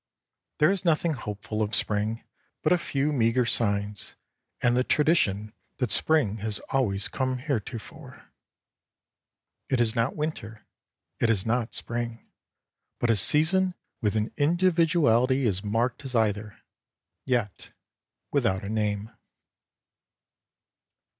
There is nothing hopeful of spring but a few meagre signs, and the tradition that spring has always come heretofore. It is not winter, it is not spring, but a season with an individuality as marked as either, yet without a name.